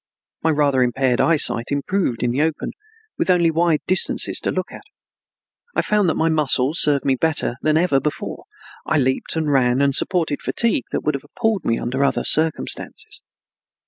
My rather impaired eyesight improved in the open, with only wide distances to look at. I found that my muscles served me better than ever before. I leaped and ran and supported fatigue that would have appalled me under other circumstances.